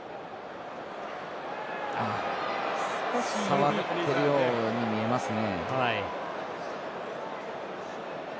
触ってるように見えますね。